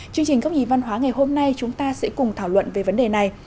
chương trình góc nhìn văn hóa ngày hôm nay chúng ta sẽ cùng thảo luận về vấn đề này